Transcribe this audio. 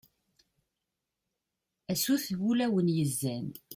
a sut n wulawen yezzan